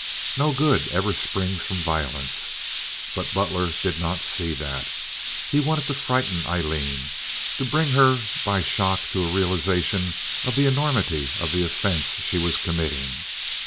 No good ever springs from violence. But Butler did not see that. He wanted to frighten Aileen, to bring her by shock to a realization of the enormity of the offense she was committing.